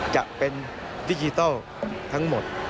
จะเป็นดิจิทัลทั้งหมด